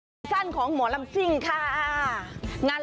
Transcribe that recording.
สวัสดีค่ะรุ่นก่อนร้านหนาวกับดาวสุภาษาลาค่ะ